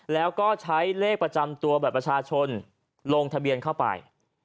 แล้วก็ใช้เลขประจำตัวบัตรประชาชนลงทะเบียนเข้าไป